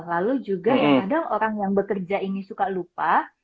lalu juga ya kadang orang yang bekerja ini suka lupa